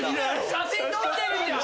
写真撮ってるんじゃん！